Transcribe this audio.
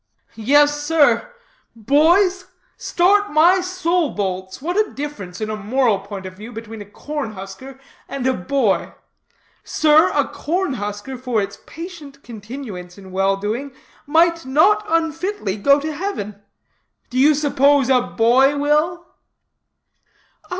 "Yes, sir: boys? Start my soul bolts, what a difference, in a moral point of view, between a corn husker and a boy! Sir, a corn husker, for its patient continuance in well doing, might not unfitly go to heaven. Do you suppose a boy will?"